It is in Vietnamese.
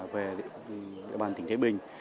về địa bàn tỉnh thế bình